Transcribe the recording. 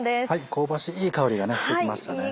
香ばしいいい香りがしてきましたね。